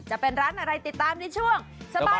จะเป็นร้านอะไรติดตามในช่วงสปัดรอบกรุง